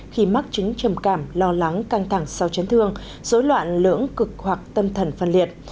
khi mắc chứng trầm cảm lo lắng căng thẳng sau chấn thương dối loạn lưỡng cực hoặc tâm thần phân liệt